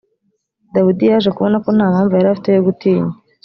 dawidi yaje kubona ko nta mpamvu yari afite yo gutinya